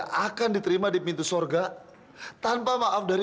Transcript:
sampai jumpa di video selanjutnya